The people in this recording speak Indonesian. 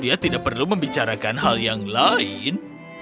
dia tidak perlu membicarakan hal yang lain